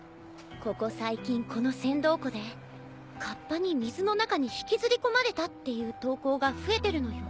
ここ最近この千憧湖でかっぱに水の中に引きずり込まれたっていう投稿が増えてるのよ。